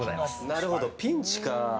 なるほど、ピンチか。